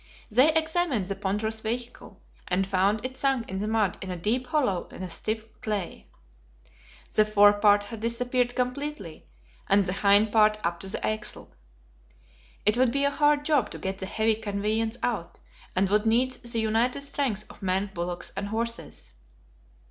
They examined the ponderous vehicle, and found it sunk in the mud in a deep hollow in the stiff clay. The forepart had disappeared completely, and the hind part up to the axle. It would be a hard job to get the heavy conveyance out, and would need the united strength of men, bullocks, and horses.